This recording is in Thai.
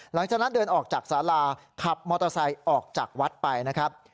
หลังจากนั้นเดินออกจากสาราขับมอเตอร์ไซค์ออกจากวัดไปนะครับ